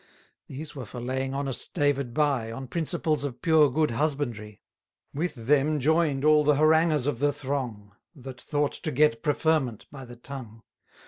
These were for laying honest David by, On principles of pure good husbandry. With them join'd all the haranguers of the throng, That thought to get preferment by the tongue.